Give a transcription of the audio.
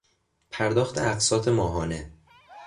پرداخت اقساط ماهانه